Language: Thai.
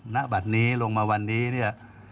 ณบัตรนี้ลงมาวันนี้เนี่ย